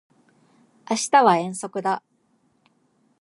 明日は遠足だ